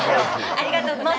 ありがとうございます。